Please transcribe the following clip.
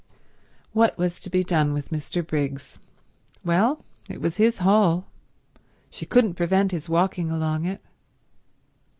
What was to be done with Mr. Briggs? Well, it was his hall; she couldn't prevent his walking along it.